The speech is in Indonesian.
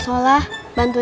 saya mau berubah